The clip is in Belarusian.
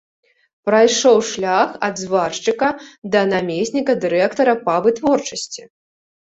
Прайшоў шлях ад зваршчыка да намесніка дырэктара па вытворчасці.